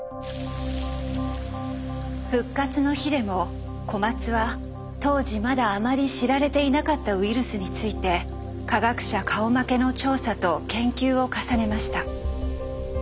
「復活の日」でも小松は当時まだあまり知られていなかったウイルスについて科学者顔負けの調査と研究を重ねました。